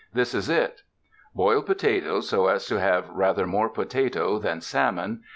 This is it: Boil potatoes so as to have rather more potato than salmon.